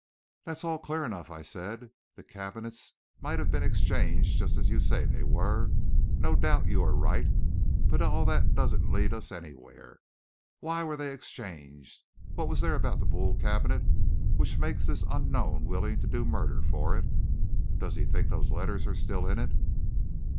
"That's all clear enough," I said. "The cabinets might have been exchanged just as you say they were no doubt you are right but all that doesn't lead us anywhere. Why were they exchanged? What is there about that Boule cabinet which makes this unknown willing to do murder for it? Does he think those letters are still in it?"